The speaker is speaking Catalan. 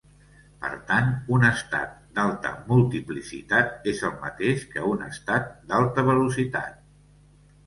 Per tant, un estat d'alta multiplicitat és el mateix que un estat d'alta velocitat.